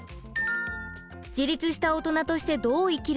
自立したオトナとしてどう生きるか？